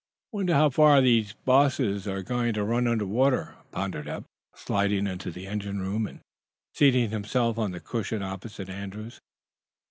"Wonder how far the bosses are going to run under water?" pondered Eph, sliding into the engine room and seating himself on the cushion opposite Andrews.